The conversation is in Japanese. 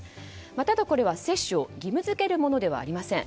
また、これは接種を義務付けるものではありません。